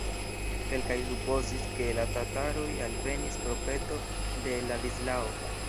Kelkaj supozis, ke la tataroj alvenis pro peto de Ladislao.